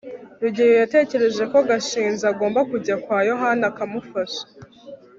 rugeyo yatekereje ko gashinzi agomba kujya kwa yohana akamufasha